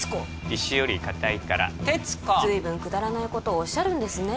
石よりカタいから鉄子随分くだらないことおっしゃるんですね